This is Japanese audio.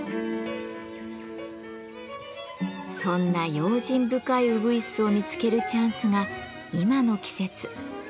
そんな用心深いうぐいすを見つけるチャンスが今の季節。